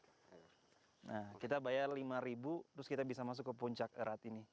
nah kita bayar rp lima terus kita bisa masuk ke puncak erat ini